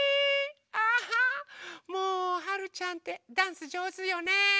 あもうはるちゃんってダンスじょうずよね。